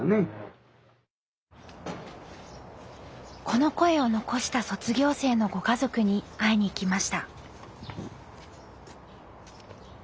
この声を残した卒業生のご家族に会いに行きました。